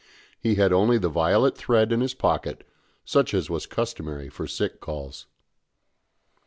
He had only the violet thread in his pocket, such as was customary for sick calls.